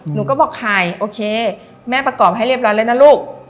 หนูก็บอกไข่โอเคแม่ประกอบให้เรียบร้อยแล้วนะลูก